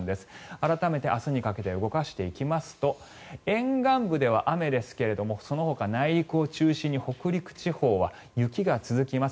改めて明日にかけて動かしていきますと沿岸部では雨ですがそのほか、内陸を中心に北陸地方は雪が続きます。